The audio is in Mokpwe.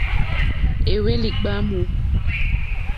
Éhwélì ɡbǎmù.